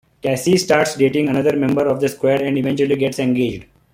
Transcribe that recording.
Cassie starts dating another member of the squad and eventually gets engaged.